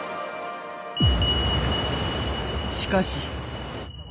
しかし。